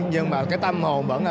nhưng mà cái tâm hồn vẫn là